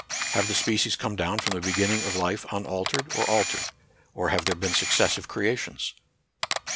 Have the species come down from the begin ning of life, unaltered or altered ; or have there been successive creations